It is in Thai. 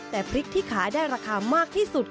แต่พริกที่ขายได้ราคามากที่สุด